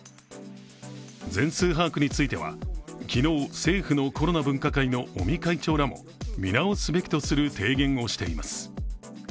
全数把握については昨日、政府のコロナ分科会の尾身会長らも見直すべきとする提言をしています。